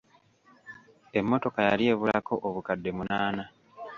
Emmotoka yali ebulako obukadde munaana.